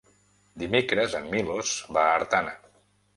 Dimecres en Milos va a Artana.